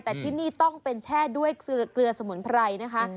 แต่ที่นี่ต้องเป็นแช่ด้วยเกลือสมุนไพรนะคะ